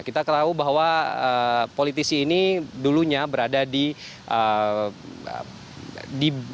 kita tahu bahwa politisi ini dulunya berada di